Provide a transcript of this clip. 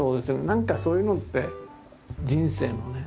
何かそういうのって人生のね。